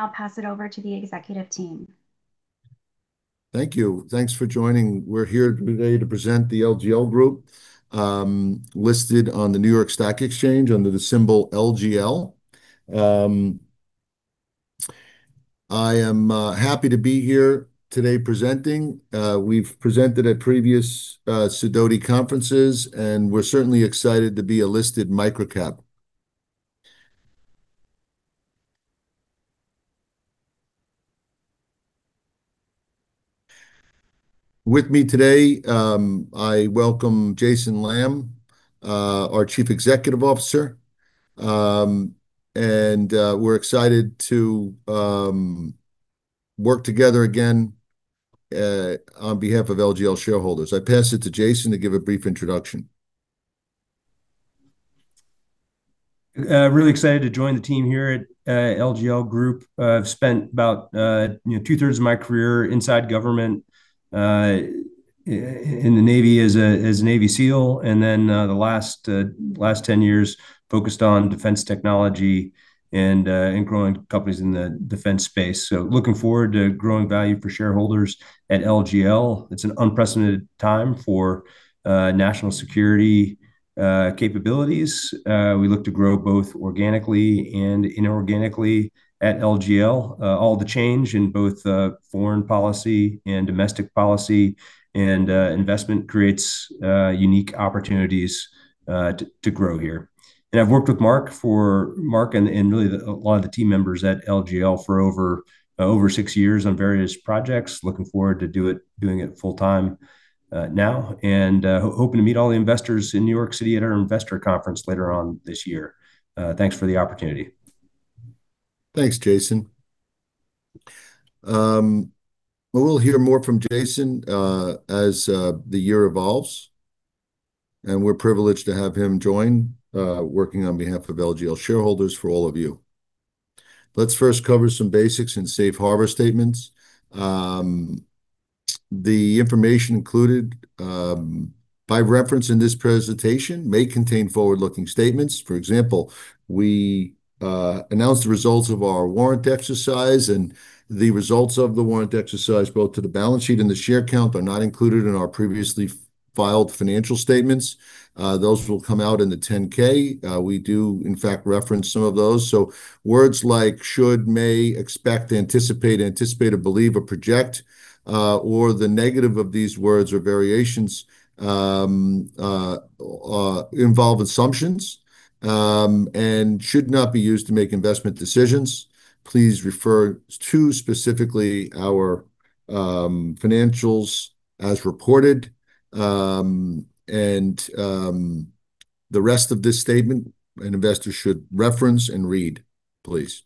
I'll pass it over to the executive team. Thank you. Thanks for joining. We're here today to present the LGL Group, listed on the New York Stock Exchange under the symbol LGL. I am happy to be here today presenting. We've presented at previous Sidoti conferences, and we're certainly excited to be a listed microcap. With me today, I welcome Jason Lam, our Chief Executive Officer, and we're excited to work together again on behalf of LGL shareholders. I pass it to Jason to give a brief introduction. Really excited to join the team here at LGL Group. I've spent about two-thirds of my career inside government in the Navy as a Navy SEAL, and then the last 10 years focused on defense technology and growing companies in the defense space, so looking forward to growing value for shareholders at LGL. It's an unprecedented time for national security capabilities. We look to grow both organically and inorganically at LGL. All the change in both foreign policy and domestic policy and investment creates unique opportunities to grow here, and I've worked with Marc and really a lot of the team members at LGL for over six years on various projects, looking forward to doing it full-time now, and hoping to meet all the investors in New York City at our investor conference later on this year. Thanks for the opportunity. Thanks, Jason. We'll hear more from Jason as the year evolves, and we're privileged to have him join working on behalf of LGL shareholders for all of you. Let's first cover some basics and safe harbor statements. The information included by reference in this presentation may contain forward-looking statements. For example, we announced the results of our warrant exercise, and the results of the warrant exercise, both to the balance sheet and the share count, are not included in our previously filed financial statements. Those will come out in the 10-K. We do, in fact, reference some of those. So, words like should, may, expect, anticipate or believe, or project, or the negative of these words or variations involve assumptions and should not be used to make investment decisions. Please refer to specifically our financials as reported, and the rest of this statement an investor should reference and read, please.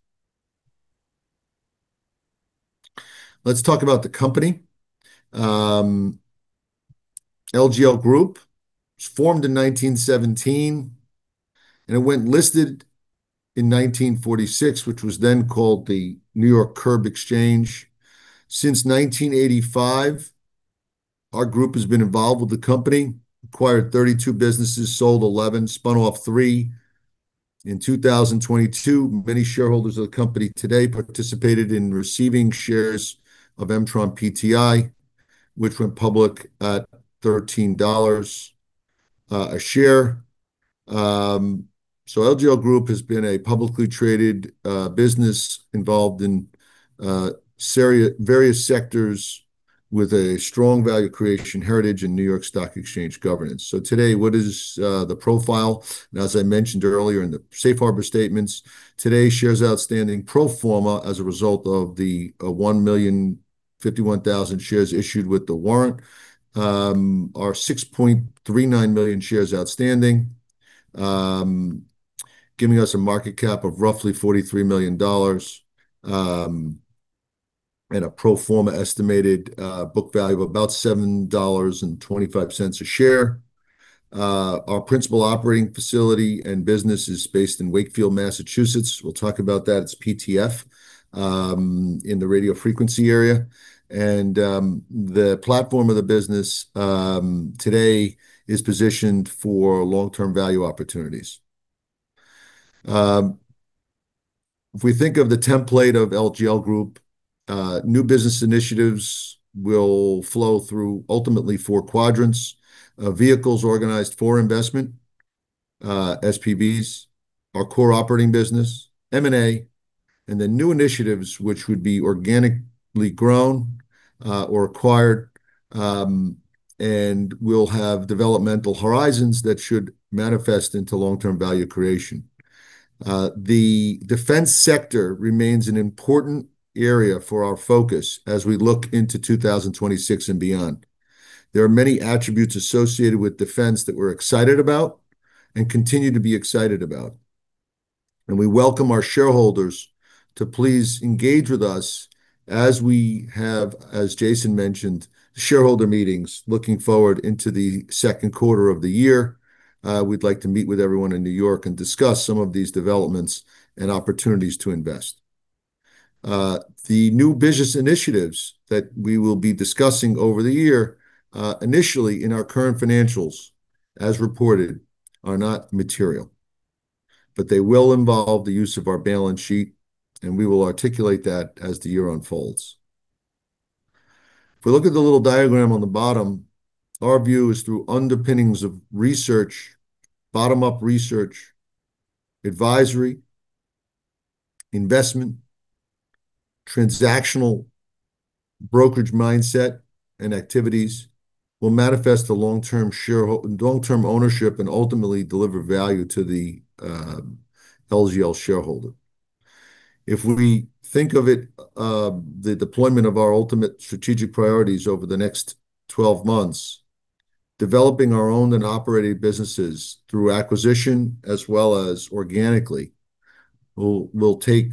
Let's talk about the company. LGL Group was formed in 1917, and it went listed in 1946, which was then called the New York Curb Exchange. Since 1985, our group has been involved with the company, acquired 32 businesses, sold 11, spun off 3. In 2022, many shareholders of the company today participated in receiving shares of MtronPTI, which went public at $13 a share. So LGL Group has been a publicly traded business involved in various sectors with a strong value creation heritage in New York Stock Exchange governance. So today, what is the profile? As I mentioned earlier in the Safe Harbor statements, today shares outstanding pro forma as a result of the 1,051,000 shares issued with the warrant are 6.39 million shares outstanding, giving us a market cap of roughly $43 million and a pro forma estimated book value of about $7.25 a share. Our principal operating facility and business is based in Wakefield, Massachusetts. We'll talk about that. It's PTF in the radio frequency area, and the platform of the business today is positioned for long-term value opportunities. If we think of the template of LGL Group, new business initiatives will flow through ultimately four quadrants: vehicles organized for investment, SPVs, our core operating business, M&A, and then new initiatives, which would be organically grown or acquired, and will have developmental horizons that should manifest into long-term value creation. The defense sector remains an important area for our focus as we look into 2026 and beyond. There are many attributes associated with defense that we're excited about and continue to be excited about, and we welcome our shareholders to please engage with us as we have, as Jason mentioned, shareholder meetings looking forward into the second quarter of the year. We'd like to meet with everyone in New York and discuss some of these developments and opportunities to invest. The new business initiatives that we will be discussing over the year, initially in our current financials, as reported, are not material, but they will involve the use of our balance sheet, and we will articulate that as the year unfolds. If we look at the little diagram on the bottom, our view is through underpinnings of research, bottom-up research, advisory, investment, transactional brokerage mindset, and activities, will manifest a long-term ownership and ultimately deliver value to the LGL shareholder. If we think of it, the deployment of our ultimate strategic priorities over the next 12 months, developing our own and operating businesses through acquisition as well as organically, will take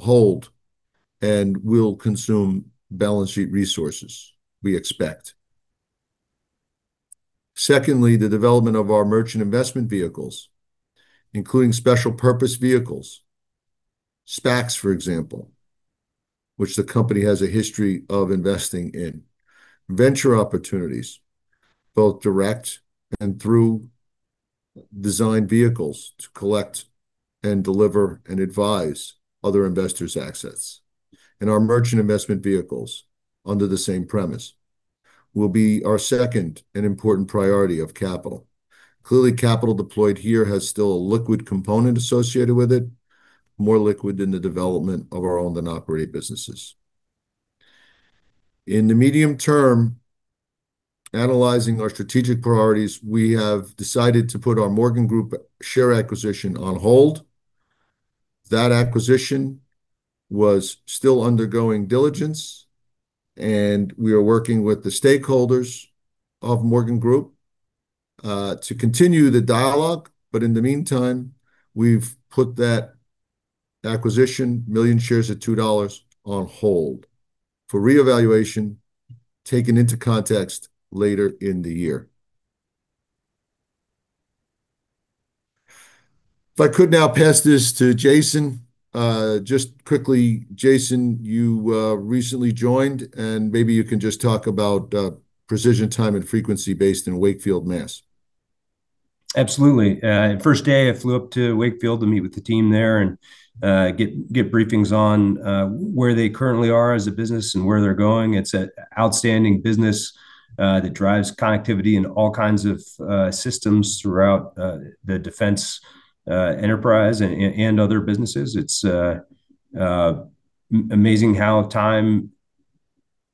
hold and will consume balance sheet resources, we expect. Secondly, the development of our merchant investment vehicles, including special purpose vehicles, SPACs, for example, which the company has a history of investing in, venture opportunities, both direct and through design vehicles to collect and deliver and advise other investors' assets, and our merchant investment vehicles under the same premise will be our second and important priority of capital. Clearly, capital deployed here has still a liquid component associated with it, more liquid than the development of our own and operating businesses. In the medium term, analyzing our strategic priorities, we have decided to put our Morgan Group share acquisition on hold. That acquisition was still undergoing diligence, and we are working with the stakeholders of Morgan Group to continue the dialogue. But in the meantime, we've put that acquisition, million shares at $2, on hold for reevaluation, taken into context later in the year. If I could now pass this to Jason. Just quickly, Jason, you recently joined, and maybe you can just talk about Precision Time and Frequency based in Wakefield, Massachusetts. Absolutely. First day, I flew up to Wakefield to meet with the team there and get briefings on where they currently are as a business and where they're going. It's an outstanding business that drives connectivity in all kinds of systems throughout the defense enterprise and other businesses. It's amazing how time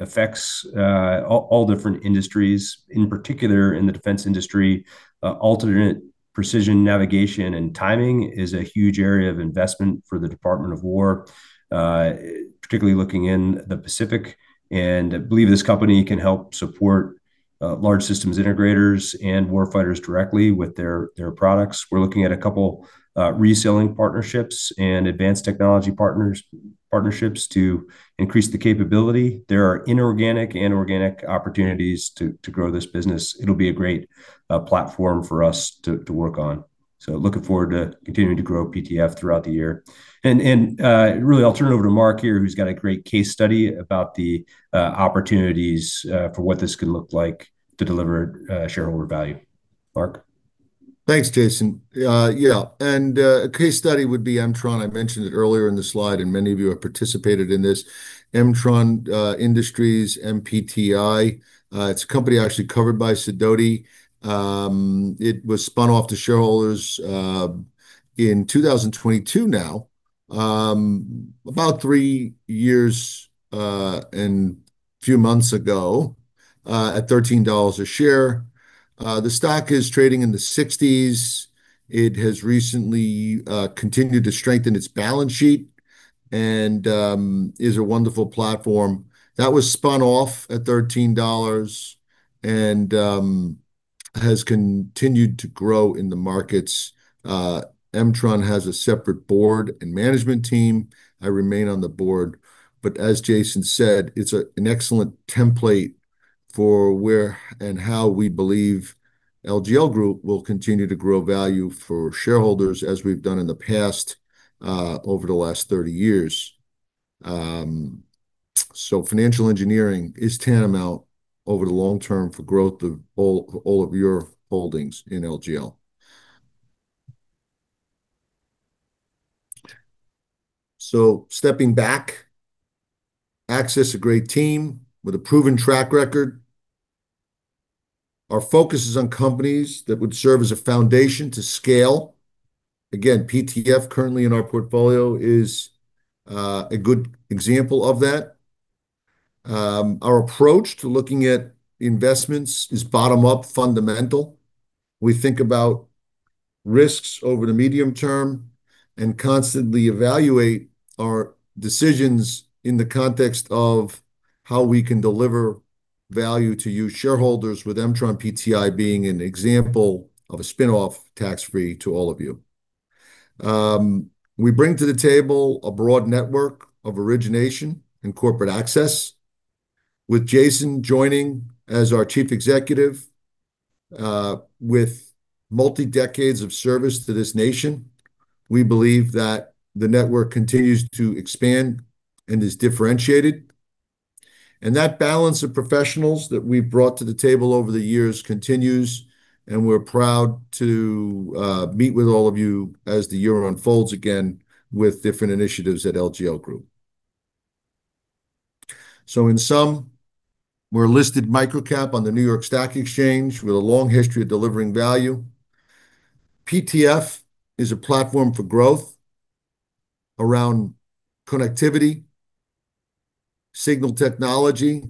affects all different industries. In particular, in the defense industry, advanced precision navigation and timing is a huge area of investment for the Department of Defense, particularly looking in the Pacific, and I believe this company can help support large systems integrators and war fighters directly with their products. We're looking at a couple of reselling partnerships and advanced technology partnerships to increase the capability. There are inorganic and organic opportunities to grow this business. It'll be a great platform for us to work on, so looking forward to continuing to grow PTF throughout the year. Really, I'll turn it over to Marc here, who's got a great case study about the opportunities for what this could look like to deliver shareholder value. Marc. Thanks, Jason. Yeah. And a case study would be Mtron. I mentioned it earlier in the slide, and many of you have participated in this. Mtron Industries, MPTI. It's a company actually covered by Sidoti. It was spun off to shareholders in 2022 now, about three years and a few months ago at $13 a share. The stock is trading in the 60s. It has recently continued to strengthen its balance sheet and is a wonderful platform. That was spun off at $13 and has continued to grow in the markets. Mtron has a separate board and management team. I remain on the board. But as Jason said, it's an excellent template for where and how we believe LGL Group will continue to grow value for shareholders as we've done in the past over the last 30 years. Financial engineering is tantamount over the long term for growth of all of your holdings in LGL. Stepping back, Axis is a great team with a proven track record. Our focus is on companies that would serve as a foundation to scale. Again, PTF currently in our portfolio is a good example of that. Our approach to looking at investments is bottom-up fundamental. We think about risks over the medium term and constantly evaluate our decisions in the context of how we can deliver value to you shareholders, with MtronPTI being an example of a spin-off tax-free to all of you. We bring to the table a broad network of origination and corporate access. With Jason joining as our Chief Executive, with multi-decades of service to this nation, we believe that the network continues to expand and is differentiated. That balance of professionals that we've brought to the table over the years continues, and we're proud to meet with all of you as the year unfolds again with different initiatives at LGL Group. In sum, we're a listed microcap on the New York Stock Exchange with a long history of delivering value. PTF is a platform for growth around connectivity, signal technology,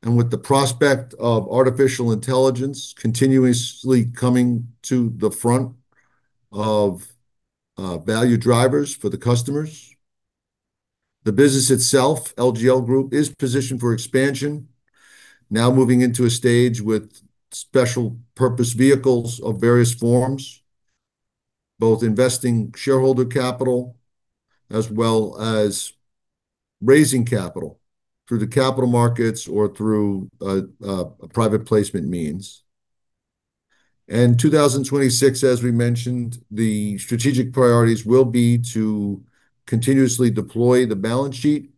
and with the prospect of artificial intelligence continuously coming to the front of value drivers for the customers. The business itself, LGL Group, is positioned for expansion, now moving into a stage with special purpose vehicles of various forms, both investing shareholder capital as well as raising capital through the capital markets or through private placement means. 2026, as we mentioned, the strategic priorities will be to continuously deploy the balance sheet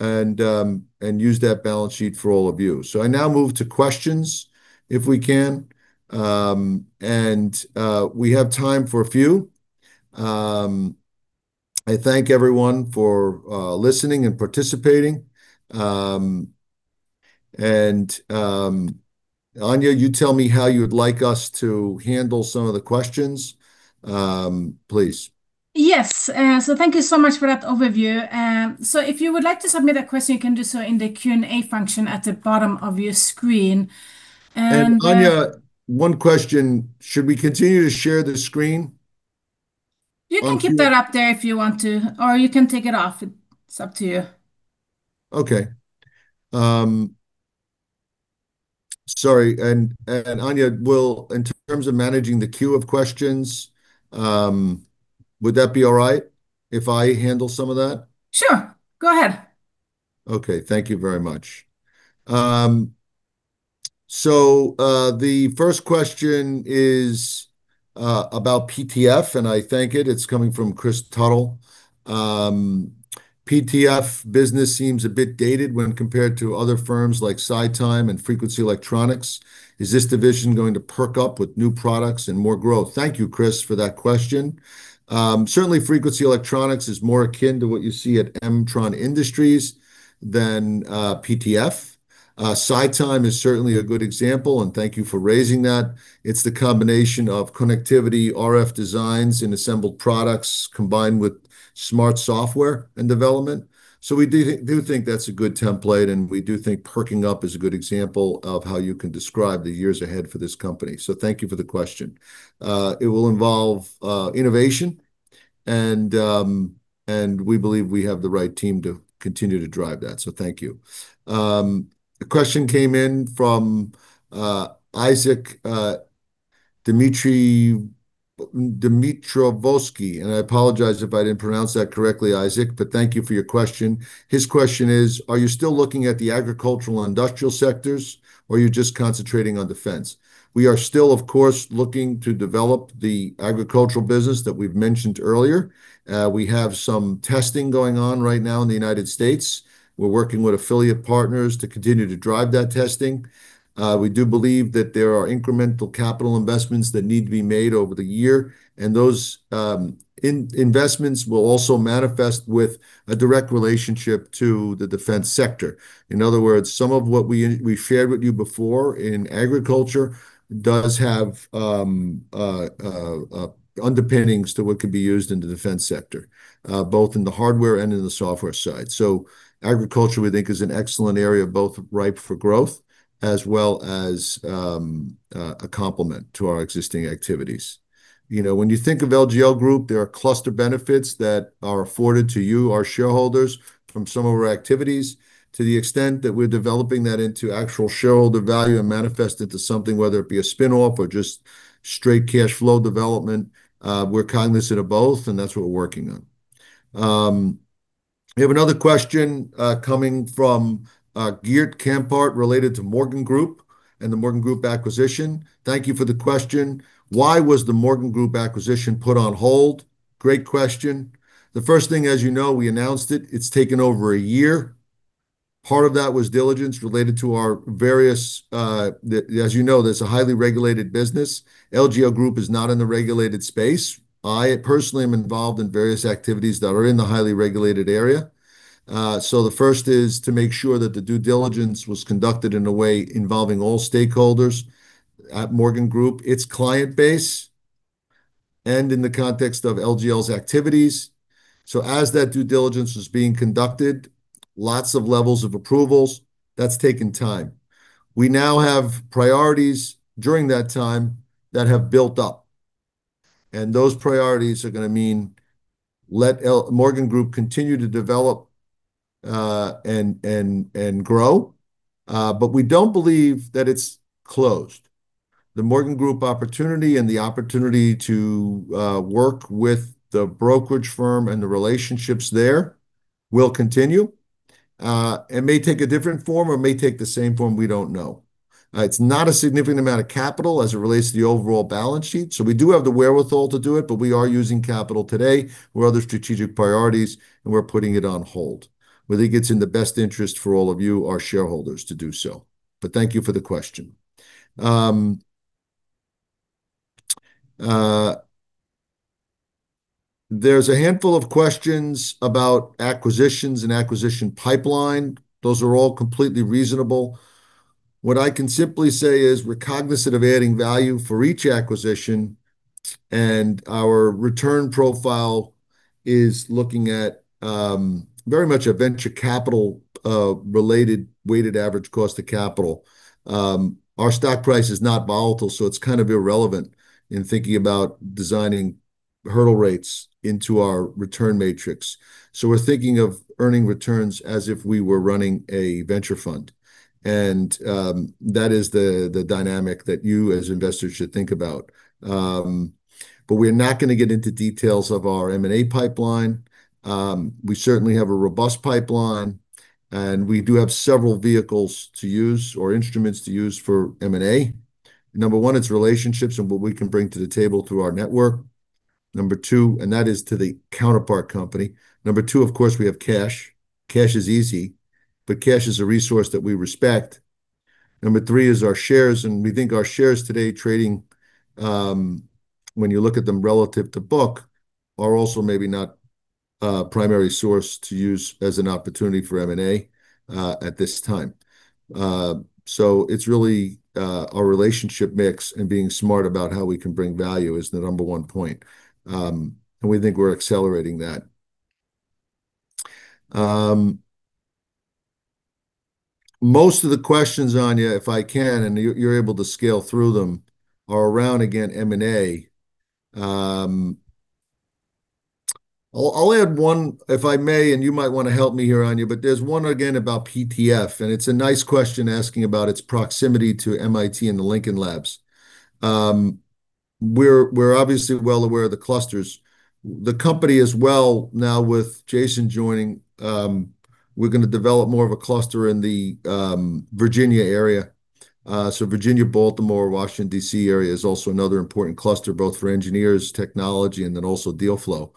and use that balance sheet for all of you. I now move to questions, if we can. We have time for a few. I thank everyone for listening and participating. Anya, you tell me how you would like us to handle some of the questions, please. Yes. So thank you so much for that overview. So, if you would like to submit a question, you can do so in the Q&A function at the bottom of your screen. Anya, one question. Should we continue to share the screen? You can keep that up there if you want to, or you can take it off. It's up to you. Okay. Sorry. And Anya, in terms of managing the queue of questions, would that be all right if I handle some of that? Sure. Go ahead. Okay. Thank you very much. So the first question is about PTF, and I think it. It's coming from Chris Tuttle. PTF business seems a bit dated when compared to other firms like SiTime and Frequency Electronics. Is this division going to perk up with new products and more growth? Thank you, Chris, for that question. Certainly, Frequency Electronics is more akin to what you see at Mtron Industries than PTF. SiTime is certainly a good example and thank you for raising that. It's the combination of connectivity, RF designs, and assembled products combined with smart software and development. So we do think that's a good template, and we do think perking up is a good example of how you can describe the years ahead for this company. So, thank you for the question. It will involve innovation, and we believe we have the right team to continue to drive that. So, thank you. A question came in from Isaac Dimitrovsky, and I apologize if I didn't pronounce that correctly, Isaac, but thank you for your question. His question is, "Are you still looking at the agricultural industrial sectors, or are you just concentrating on defense?" We are still, of course, looking to develop the agricultural business that we've mentioned earlier. We have some testing going on right now in the United States. We're working with affiliate partners to continue to drive that testing. We do believe that there are incremental capital investments that need to be made over the year, and those investments will also manifest with a direct relationship to the defense sector. In other words, some of what we shared with you before in agriculture does have underpinnings to what could be used in the defense sector, both in the hardware and in the software side. So, agriculture, we think, is an excellent area, both ripe for growth as well as a complement to our existing activities. When you think of LGL Group, there are cluster benefits that are afforded to you, our shareholders, from some of our activities to the extent that we're developing that into actual shareholder value and manifest into something, whether it be a spinoff or just straight cash flow development. We're cognizant of both, and that's what we're working on. We have another question coming from Geert Campaert related to Morgan Group and the Morgan Group acquisition. Thank you for the question. Why was the Morgan Group acquisition put on hold? Great question. The first thing, as you know, we announced it. It's taken over a year. Part of that was diligence related to our various, as you know, there's a highly regulated business. LGL Group is not in the regulated space. I personally am involved in various activities that are in the highly regulated area. So the first is to make sure that the due diligence was conducted in a way involving all stakeholders at Morgan Group, its client base, and in the context of LGL's activities. So as that due diligence was being conducted, lots of levels of approvals. That's taken time. We now have priorities during that time that have built up. And those priorities are going to mean let Morgan Group continue to develop and grow, but we don't believe that it's closed. The Morgan Group opportunity and the opportunity to work with the brokerage firm and the relationships there will continue. It may take a different form or may take the same form. We don't know. It's not a significant amount of capital as it relates to the overall balance sheet. So we do have the wherewithal to do it, but we are using capital today for other strategic priorities, and we're putting it on hold. We think it's in the best interest for all of you, our shareholders, to do so. But thank you for the question. There's a handful of questions about acquisitions and acquisition pipeline. Those are all completely reasonable. What I can simply say is we're cognizant of adding value for each acquisition, and our return profile is looking at very much a venture capital-related weighted average cost of capital. Our stock price is not volatile, so it's kind of irrelevant in thinking about designing hurdle rates into our return matrix. So we're thinking of earning returns as if we were running a venture fund. And that is the dynamic that you, as investors, should think about. But we're not going to get into details of our M&A pipeline. We certainly have a robust pipeline, and we do have several vehicles to use or instruments to use for M&A. Number one, it's relationships and what we can bring to the table through our network. Number two, and that is to the counterpart company. Number two, of course, we have cash. Cash is easy, but cash is a resource that we respect. Number three is our shares, and we think our shares today, trading when you look at them relative to book, are also maybe not a primary source to use as an opportunity for M&A at this time. So, it's really our relationship mix and being smart about how we can bring value is the number one point. And we think we're accelerating that. Most of the questions, Anya, if I can, and you're able to scale through them, are around, again, M&A. I'll add one, if I may, and you might want to help me here, Anya, but there's one again about PTF, and it's a nice question asking about its proximity to MIT and the Lincoln Lab. We're obviously well aware of the clusters. The company as well, now with Jason joining, we're going to develop more of a cluster in the Virginia area. So, Virginia, Baltimore, Washington, D.C. area is also another important cluster, both for engineers, technology, and then also deal flow.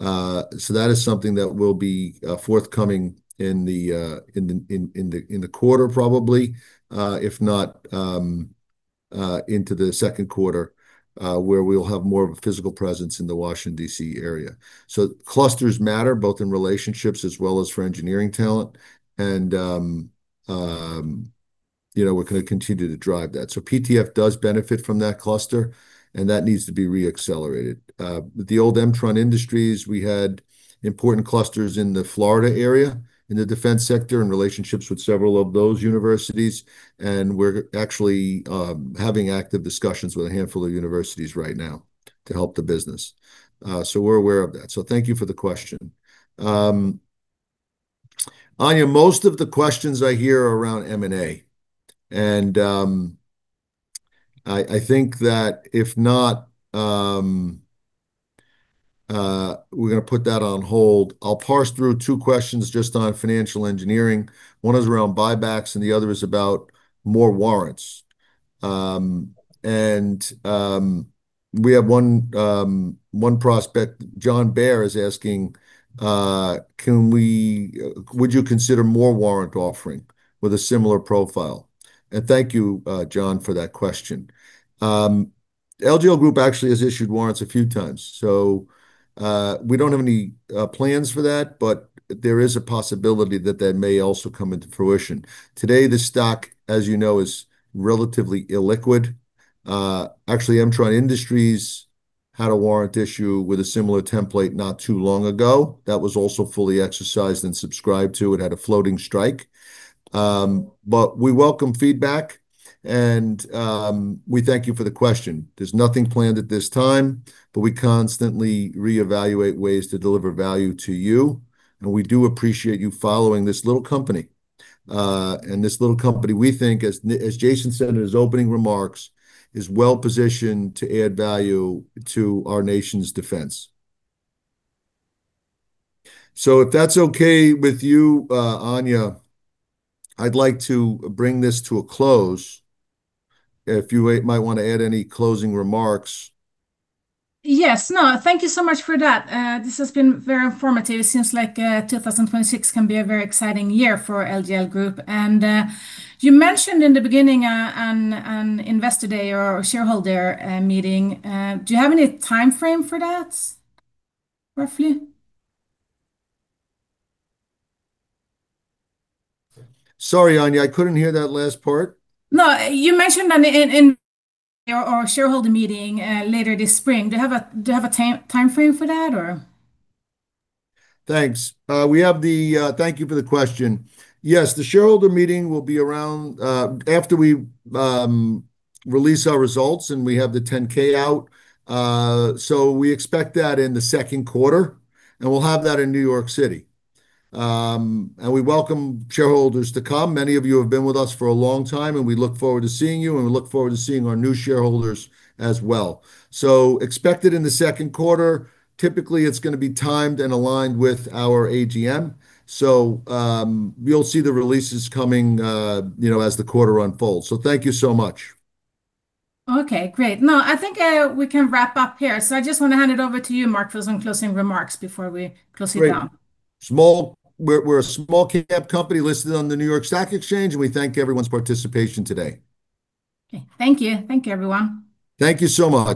So that is something that will be forthcoming in the quarter, probably, if not into the second quarter, where we'll have more of a physical presence in the Washington, D.C. area. So, clusters matter, both in relationships as well as for engineering talent, and we're going to continue to drive that. So PTF does benefit from that cluster, and that needs to be re-accelerated. The old Mtron Industries, we had important clusters in the Florida area, in the defense sector, in relationships with several of those universities, and we're actually having active discussions with a handful of universities right now to help the business. So, we're aware of that. So, thank you for the question. Anya, most of the questions I hear are around M&A, and I think that if not, we're going to put that on hold. I'll pass through two questions just on financial engineering. One is around buybacks, and the other is about more warrants. And we have one prospect, John Bair, is asking, "Would you consider more warrant offering with a similar profile?" And thank you, John, for that question. LGL Group actually has issued warrants a few times, so we don't have any plans for that, but there is a possibility that that may also come into fruition. Today, the stock, as you know, is relatively illiquid. Actually, Mtron Industries had a warrant issue with a similar template not too long ago. That was also fully exercised and subscribed to. It had a floating strike. But we welcome feedback, and we thank you for the question. There's nothing planned at this time, but we constantly reevaluate ways to deliver value to you, and we do appreciate you following this little company. And this little company, we think, as Jason said in his opening remarks, is well-positioned to add value to our nation's defense. So if that's okay with you, Anya, I'd like to bring this to a close. If you might want to add any closing remarks. Yes. No, thank you so much for that. This has been very informative. It seems like 2026 can be a very exciting year for LGL Group. And you mentioned in the beginning an investor day or shareholder meeting. Do you have any timeframe for that, roughly? Sorry, Anya. I couldn't hear that last part. No, you mentioned a shareholder meeting later this spring. Do you have a timeframe for that, or? Thanks. Thank you for the question. Yes, the shareholder meeting will be around after we release our results, and we have the 10-K out. So we expect that in the second quarter, and we'll have that in New York City, and we welcome shareholders to come. Many of you have been with us for a long time, and we look forward to seeing you, and we look forward to seeing our new shareholders as well. So expected in the second quarter. Typically, it's going to be timed and aligned with our AGM. So, you'll see the releases coming as the quarter unfolds. So, thank you so much. Okay. Great. No, I think we can wrap up here. So, I just want to hand it over to you, Marc, for some closing remarks before we close it down. We're a small-cap company listed on the New York Stock Exchange, and we thank everyone's participation today. Okay. Thank you. Thank you, everyone. Thank you so much.